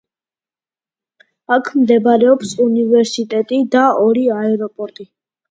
აქ მდებარეობს უნივერსიტეტი და ორი აეროპორტი.